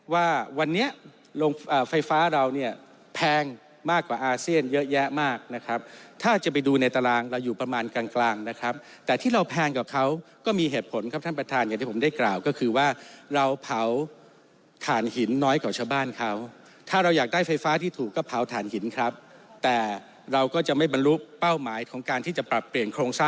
ว่าวันนี้โรงไฟฟ้าเราเนี่ยแพงมากกว่าอาเซียนเยอะแยะมากนะครับถ้าจะไปดูในตารางเราอยู่ประมาณกลางกลางนะครับแต่ที่เราแพงกว่าเขาก็มีเหตุผลครับท่านประธานอย่างที่ผมได้กล่าวก็คือว่าเราเผาถ่านหินน้อยกว่าชาวบ้านเขาถ้าเราอยากได้ไฟฟ้าที่ถูกก็เผาถ่านหินครับแต่เราก็จะไม่บรรลุเป้าหมายของการที่จะปรับเปลี่ยนโครงสร้าง